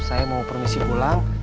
saya mau permisi pulang